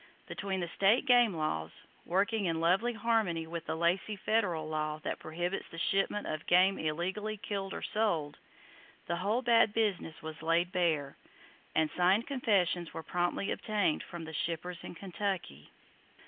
Between the state game laws, working in lovely harmony with the Lacey federal law that prohibits the shipment of game illegally killed or sold, the whole bad business was laid bare, and signed confessions were promptly obtained from the shippers in Kentucky.